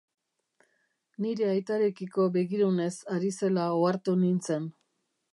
Nire aitarekiko begirunez ari zela ohartu nintzen.